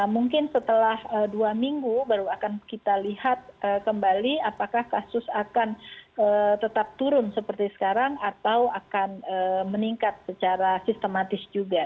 mungkin setelah dua minggu baru akan kita lihat kembali apakah kasus akan tetap turun seperti sekarang atau akan meningkat secara sistematis juga